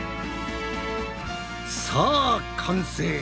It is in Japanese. さあ完成！